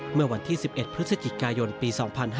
เมื่อวันที่๑๑พฤศจิกายนปี๒๕๕๙